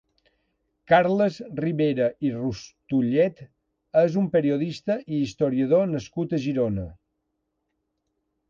Carles Ribera i Rustullet és un periodista i historiador nascut a Girona.